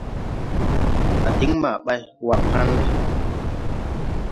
A diŋ maa ɓay, waŋ ha̧n lɛ wɛ.